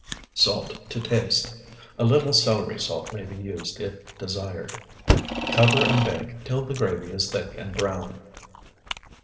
Salt to taste. A little celery salt may be used if desired. Cover and bake till the gravy is thick and brown.